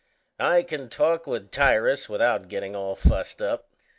I can talk with Tyrus without getting all fussed up.